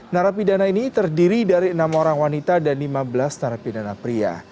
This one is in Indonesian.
narapidana ini terdiri dari enam orang wanita dan lima belas narapidana pria